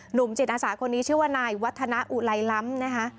หนุ่มจิตอาสาคนนี้ชื่อว่านายวัฒนาอุไลล้ำนะคะ